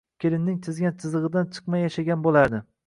Kelinning chizgan chizigʻidan chiqmay yashagan boʻlardi.